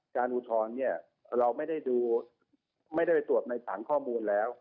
อุทธรณ์เนี่ยเราไม่ได้ดูไม่ได้ไปตรวจในถังข้อมูลแล้ว